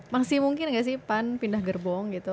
masih mungkin nggak sih pan pindah gerbong gitu